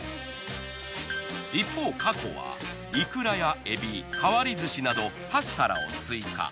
一方かこはいくらやえび変わり寿司など８皿を追加。